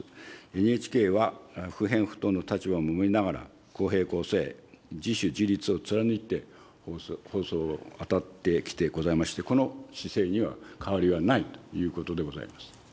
ＮＨＫは不偏不党の立場を守りながら、公平・公正、自主・自律を貫いて放送に当たってきてございまして、この姿勢には変わりはないということでございます。